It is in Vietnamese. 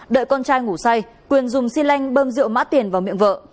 đợi con trai ngủ say quyền dùng xi lanh bơm rượu mã tiền vào miệng vợ